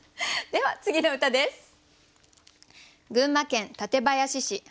では次の歌です。